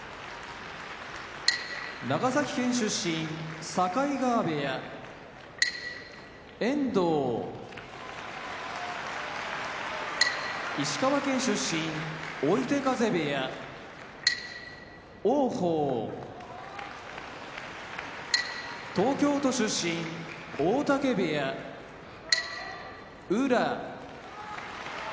長崎県出身境川部屋遠藤石川県出身追手風部屋王鵬東京都出身大嶽部屋宇良